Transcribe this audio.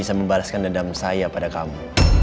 dan beri dedam saya pada kamu